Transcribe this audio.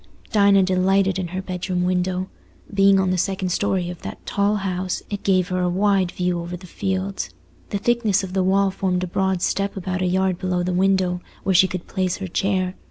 Dinah delighted in her bedroom window. Being on the second story of that tall house, it gave her a wide view over the fields. The thickness of the wall formed a broad step about a yard below the window, where she could place her chair.